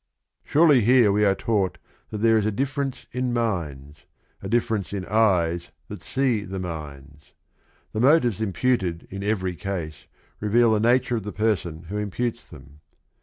Surely here we are taught that there is a " difference in minds," " a difference in eyes that see the minds." The motives imputed in every case reveal the nature of the person who imputes them.